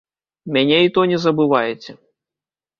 Мяне і то не забываеце.